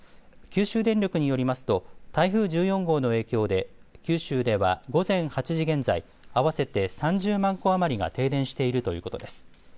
九州電力によりますと台風１４号の影響で九州では午前８時現在、合わせて３０万戸余りが停電しているということです。